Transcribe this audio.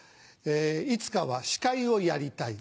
いつかは司会をやりたい」。